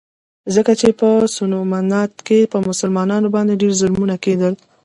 ځکه چې په سومنات کې په مسلمانانو باندې ډېر ظلمونه کېدل.